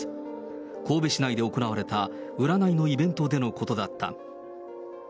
神戸市内で行われた占いのイベントでのことだった。